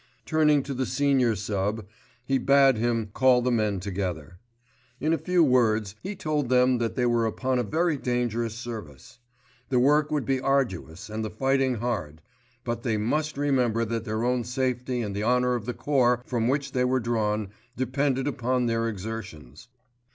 Turning to the senior sub. he bade him call the men together. In a few words he told them that they were upon a very dangerous service. The work would be arduous and the fighting hard, but they must remember that their own safety and the honour of the corps from which they were drawn depended upon their exertions.